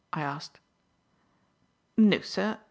I asked. "No, sir.